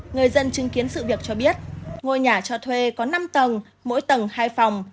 người dân chứng kiến sự việc cho biết ngôi nhà cho thuê có năm tầng mỗi tầng hai phòng